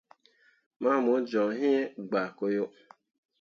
Ma mu joŋ iŋ gbaako yo.